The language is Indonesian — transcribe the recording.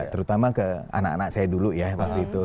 terutama ke anak anak saya dulu ya waktu itu